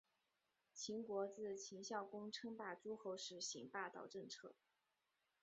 秦国自秦孝公称霸诸候时行霸道政策。